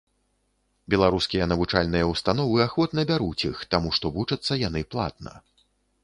Беларускія навучальныя ўстановы ахвотна бяруць іх, таму што вучацца яны платна.